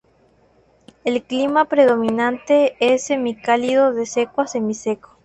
El clima predominante es semicálido de seco a semiseco.